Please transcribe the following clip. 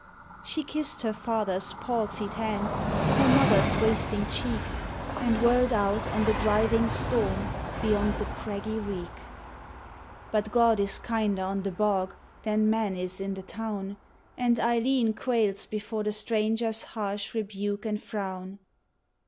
She kissed her father's palsied hand, her mother's wasting cheek, And whirled out on the driving storm beyond the craggy reek. 72 A LAY OF THE FAMINE 73 But God is kinder on the bog than man is in the town And Eileen quails before the stranger's harsh rebuke and frown.